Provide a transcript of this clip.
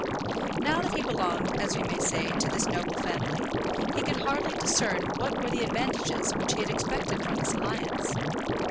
Now that he belonged, as we may say, to this noble family, he could hardly discern what were the advantages which he had expected from this alliance.